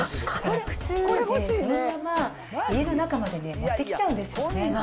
靴を脱いで、そのまま家の中まで持ってきちゃうんですよね。